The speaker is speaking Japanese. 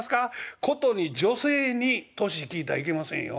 殊に女性に年聞いたらいけませんよ」。